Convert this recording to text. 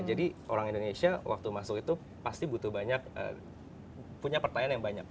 orang indonesia waktu masuk itu pasti butuh banyak punya pertanyaan yang banyak